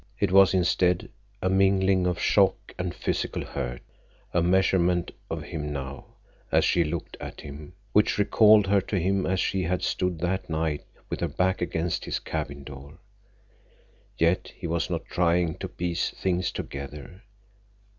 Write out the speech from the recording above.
It was, instead, a mingling of shock and physical hurt; a measurement of him now, as she looked at him, which recalled her to him as she had stood that night with her back against his cabin door. Yet he was not trying to piece things together.